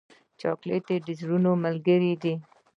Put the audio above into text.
چاکلېټ د زړونو ملګری دی.